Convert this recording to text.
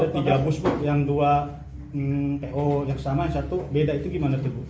tiga bus bu yang dua po yang sama yang satu beda itu gimana tuh bu